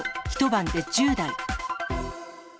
１晩で１０台。